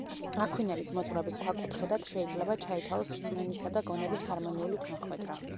აქვინელის მოძღვრების ქვაკუთხედად შეიძლება ჩაითვალოს რწმენისა და გონების ჰარმონიული თანხვედრა.